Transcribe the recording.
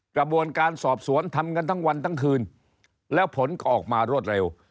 กระบวนการสอบสวนทำกันทั้งวันทั้งคืนแล้วผลก็ออกมารวดเร็ว